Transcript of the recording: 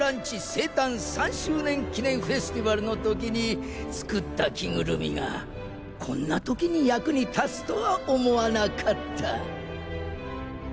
生誕３周年記念フェスティバル」の時に作った着ぐるみがこんな時に役に立つとは思わなかった。